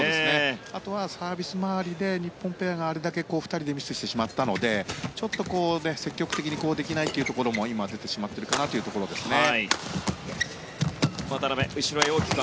あとはサービス回りで日本ペアがあれだけミスしてしまったのでちょっと積極的にできないというところも今、出てしまっているかなというところですね。